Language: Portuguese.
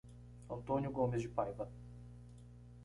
Antônio Gomes de Paiva